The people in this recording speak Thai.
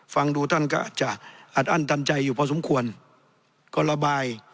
ฟังดูท่านก็อาจจะอัดอั้นตันใจอยู่พอสมควรก็ระบาย